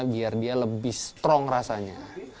biar dia lebih strong rasanya